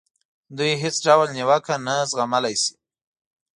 دوی هېڅ ډول نیوکه نه زغملای شي.